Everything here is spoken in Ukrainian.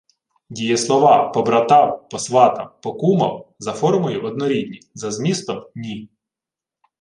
Дієслова "побратав, посватав, покумав" за формою — однорідні, за змістом — ні.